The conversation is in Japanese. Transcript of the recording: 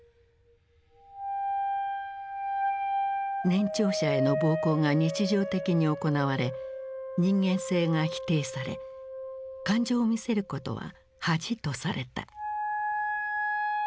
年長者への暴行が日常的に行われ人間性が否定され感情を見せることは恥とされた。